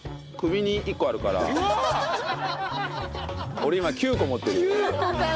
俺今９個持ってるよ。